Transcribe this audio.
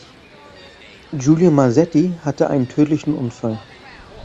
Giulio Masetti hatte einen tödlichen Unfall.